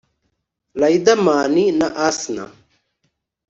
Riderman na Asinah